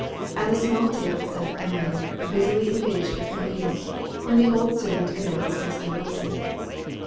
At a small table sat Emily, busily engaged with her needle, when the old servant announced Mr. Wilson.